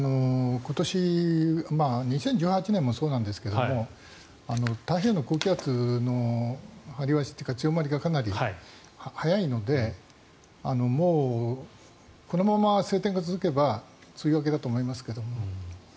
今年２０１８年もそうなんですが太平洋の高気圧の張り出しというか強まりがかなり早いのでもうこのまま晴天が続けば梅雨明けだと思いますけど。